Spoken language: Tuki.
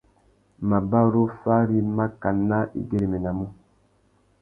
Mabarú fari mákànà i güeréménamú.